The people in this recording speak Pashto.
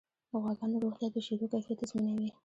د غواګانو روغتیا د شیدو کیفیت تضمینوي.